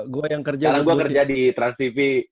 gue yang kerja di transtv